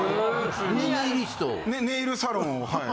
ネイルサロンをはい。